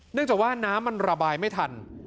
จากว่าน้ำมันระบายไม่ทัน